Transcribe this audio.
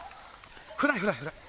フライフライフライ。